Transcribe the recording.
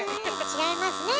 違いますね！